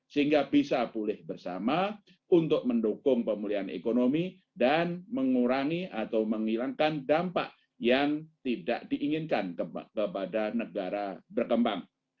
sehingga bisa pulih bersama untuk mendukung pemulihan ekonomi dan mengurangi atau menghilangkan dampak yang tidak diinginkan kepada negara berkembang